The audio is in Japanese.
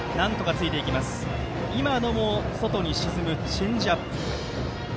先ほどのも外に沈むチェンジアップ。